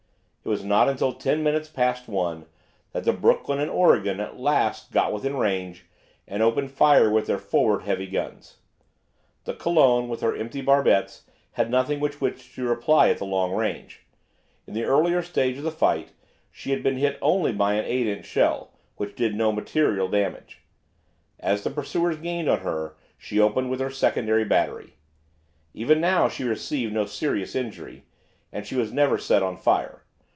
It was not until ten minutes past one that the "Brooklyn" and "Oregon" at last got within range and opened fire with their forward heavy guns. The "Colon," with her empty barbettes, had nothing with which to reply at the long range. In the earlier stage of the fight she had been hit only by an 8 inch shell, which did no material damage. As the pursuers gained on her she opened with her secondary battery. Even now she received no serious injury, and she was never set on fire.